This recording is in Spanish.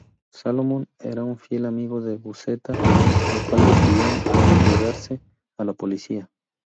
Salamone era un fiel amigo de Buscetta el cual decidió entregarse a la policía.